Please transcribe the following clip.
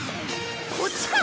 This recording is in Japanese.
こっちか！